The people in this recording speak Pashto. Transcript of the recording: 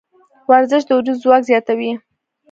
ورزش د وجود ځواک زیاتوي.